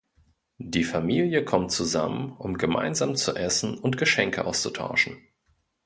Die Familie kommt zusammen, um gemeinsam zu essen und Geschenke auszutauschen.